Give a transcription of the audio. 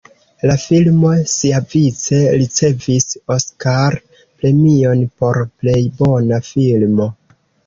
La filmo siavice ricevis Oskar-premion por plej bona filmo.